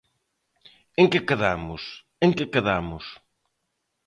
¿En que quedamos?, ¿en que quedamos?